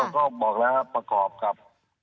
ก็บอกแล้วครับประกอบกับ